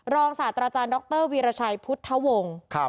รองศาสตราอาจารย์ด๊อคเตอร์วีรชัยพุทธวงศ์